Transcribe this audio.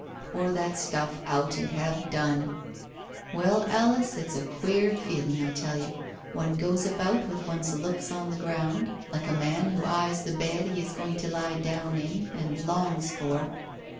"Pour that stuff out and have done. ... Well, Alice, it's a queer feeling, I tell you. One goes about with one's looks on the ground, like a man who eyes the bed he is going to lie down in, and longs for.